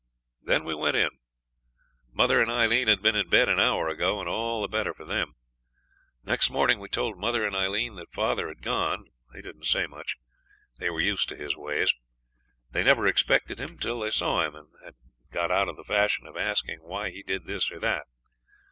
Then we went in. Mother and Aileen had been in bed an hour ago, and all the better for them. Next morning we told mother and Aileen that father had gone. They didn't say much. They were used to his ways. They never expected him till they saw him, and had got out of the fashion of asking why he did this or that.